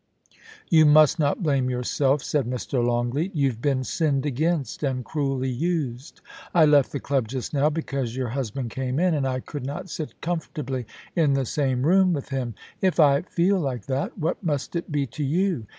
*You must not blame yourself,' said Mr. Longleat * You've been sinned against, and cruelly used. I left the club just now because your husband came in, and I could not sit comfortably in the same room with him. If I feel like that, what must it be to you